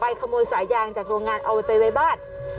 ขโมยสายยางจากโรงงานเอาไปไว้บ้าน